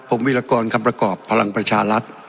ผมวิรากรคำประกอบพลังประชารัฐ